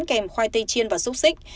kèm khoai tây chiên và xúc xích